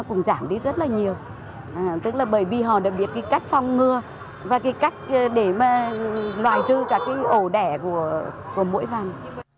cũng có sự chuyển biến